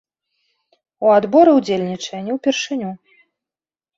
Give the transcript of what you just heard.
У адборы ўдзельнічае не ўпершыню.